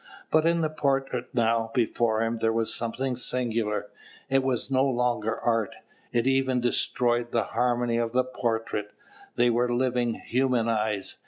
But in the portrait now before him there was something singular. It was no longer art; it even destroyed the harmony of the portrait; they were living, human eyes!